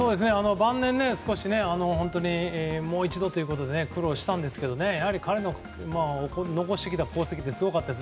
晩年、少しもう一度ということで苦労したんですけどやはり彼の残してきた功績はすごかったです。